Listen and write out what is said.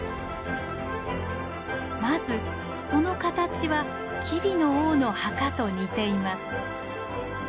まずその形は吉備の王の墓と似ています。